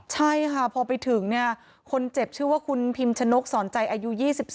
ใช่ค่ะพอไปถึงเนี่ยคนเจ็บชื่อว่าคุณพิมชนกสอนใจอายุ๒๒